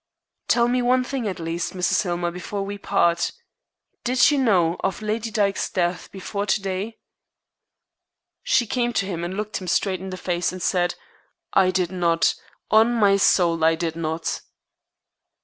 "Tell me one thing at least, Mrs. Hillmer, before we part. Did you know of Lady Dyke's death before to day?" She came to him and looked him straight in the face, and said: "I did not. On my soul, I did not."